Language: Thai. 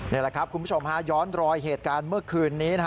นี่แหละครับคุณผู้ชมฮะย้อนรอยเหตุการณ์เมื่อคืนนี้